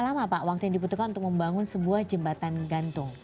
lama pak waktu yang dibutuhkan untuk membangun sebuah jembatan gantung